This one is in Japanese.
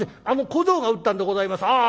あの小僧が打ったんでございます。